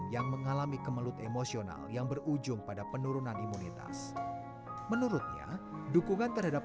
yang mengalami kemelut emosional yang berujung pada penurunan imunitas menurutnya dukungan terhadap